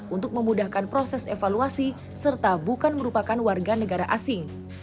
untuk memudahkan proses evaluasi serta bukan merupakan warga negara asing